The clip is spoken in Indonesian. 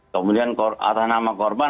kemudian atas nama korban